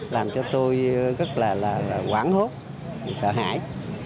làm cho tôi rất là quảng hốt sợ hãi